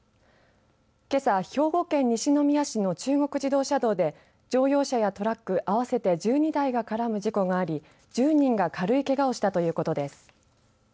けさ、兵庫県西宮市の中国自動車道で乗用車やトラック合わせて１２台が絡む事故があり１０人が軽いけがをしたということです。